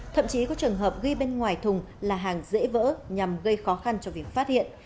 thậm chí có trường hợp ghi bên ngoài thùng là hàng dễ vỡ nhằm gây khó khăn cho việc phát hiện